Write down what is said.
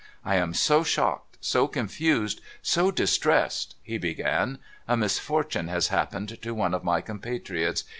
' I am so shocked, so confused, so distressed,' he began. ' A misfortune has happened to one of my compatriots.